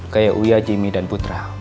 kayak uya jimmy dan putra